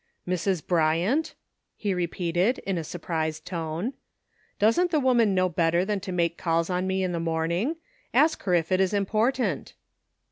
"Mrs. Bryant?" he repeated, in a surprised tone ;*' doesn't the woman know better than to make calls on me in the morning ? Ask her if it is important."